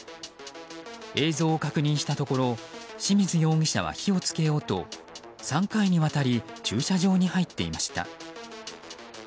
映像を確認したところ清水容疑者は火を付けようと３回にわたり駐車場に入っていました。